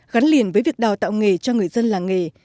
gắn liền với việc đào tạo nghề cho người dân làng nghề